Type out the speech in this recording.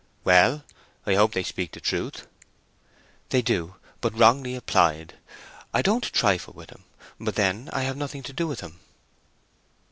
"Well, I hope they speak the truth." "They do, but wrongly applied. I don't trifle with him; but then, I have nothing to do with him."